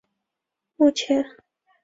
目前在全世界范围内都有养殖。